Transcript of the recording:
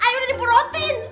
i udah dipurotin